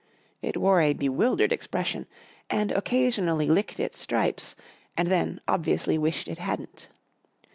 It wore a bewildered expression and occasionally licked its stripes and then obviously wished it hadn't.